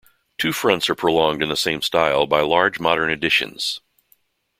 Two fronts are prolonged in the same style by large modern additions.